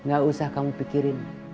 gak usah kamu pikirin